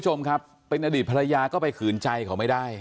ถ้าเป็นอดีตภรรยาก็ไปขื่นใจเขาไม่ได้